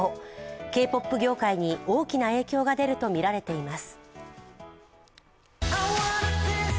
Ｋ−ＰＯＰ業界に大きな影響が出るとみられています。